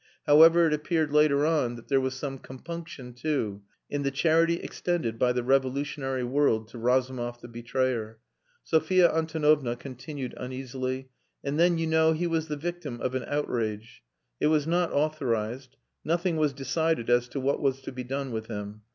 However, it appeared later on, that there was some compunction, too, in the charity extended by the revolutionary world to Razumov the betrayer. Sophia Antonovna continued uneasily "And then, you know, he was the victim of an outrage. It was not authorized. Nothing was decided as to what was to be done with him.